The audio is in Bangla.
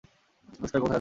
রুস্টার, কোথায় আছো?